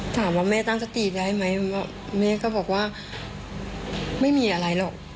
ถามว่าแม่ตั้งสติได้ไหมแม่ก็บอกว่าไม่มีอะไรหรอก